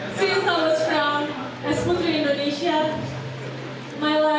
akan mewakili indonesia dalam miss universe dua ribu delapan belas yang diselenggarakan di bangkok thailand pada desember mendatang